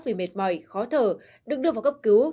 vì mệt mỏi khó thở được đưa vào cấp cứu